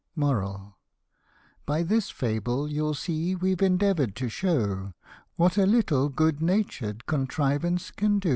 By this fable you see we've endeavour'd to show, What a little good natured contrivance can do.